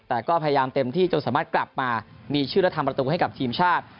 แต่ก็พยายามเต็มที่จนสามารถกลับมามีชื่อและทำประตูให้กับทีมชาติ